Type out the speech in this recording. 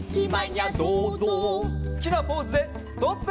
すきなポーズでストップ！